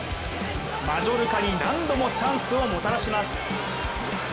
マジョルカに何度もチャンスをもたらします。